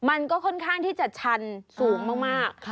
มันก็ค่อนข้างที่จะชันสูงมาก